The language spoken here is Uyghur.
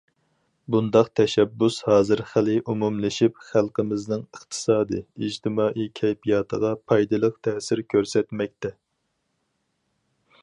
بۇنداق تەشەببۇس ھازىر خېلى ئومۇملىشىپ، خەلقىمىزنىڭ ئىقتىسادىي، ئىجتىمائىي كەيپىياتىغا پايدىلىق تەسىر كۆرسەتمەكتە.